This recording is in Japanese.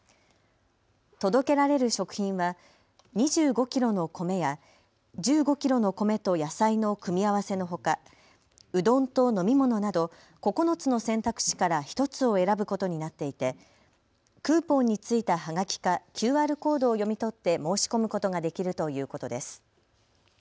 届けられる食品は２５キロの米や１５キロの米と野菜の組み合わせのほか、うどんと飲み物など９つの選択肢から１つを選ぶことになっていてクーポンに付いたはがきかＱＲコードを読み取って申し込むことができるということです。